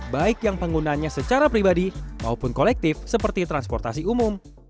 baik yang penggunanya secara pribadi maupun kolektif seperti transportasi umum